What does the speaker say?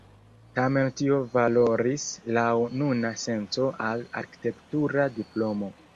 Tamen tio valoris laŭ nuna senco al arkitektura diplomo.